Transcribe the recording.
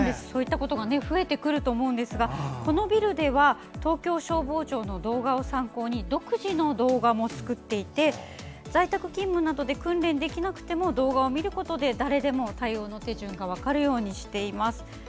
そういったことが増えてくると思うんですがこのビルでは東京消防庁の動画を参考に独自の動画も作っていて在宅勤務などで訓練できなくても動画を見ることで誰でも対応の手順が分かるようにしています。